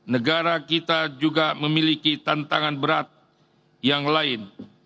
negara kita juga memiliki tantangan berat yang lain